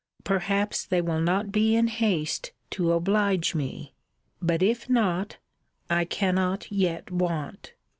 Perhaps, they will not be in haste to oblige me. But, if not, I cannot yet want.